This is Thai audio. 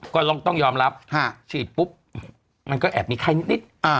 ก็ต้องยอมรับฉีดปุ๊บมันก็แอบมีไข้นิด